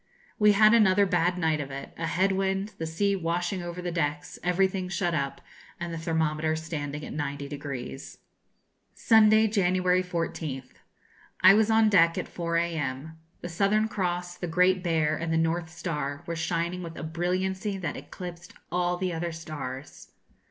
We had another bad night of it a head wind, the sea washing over the decks, everything shut up, and the thermometer standing at 90°. Sunday, January 14th. I was on deck at 4 a.m. The Southern Cross, the Great Bear, and the North Star, were shining with a brilliancy that eclipsed all the other stars.